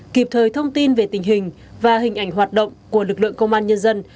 kịp thời thông tin về tình hình và hình ảnh hoạt động của lực lượng công an nhân dân